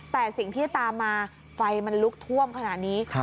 แต่สิ่งที่ตามมาไฟมันลุกท่วมขนาดนี้